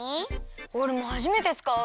おれもはじめてつかう。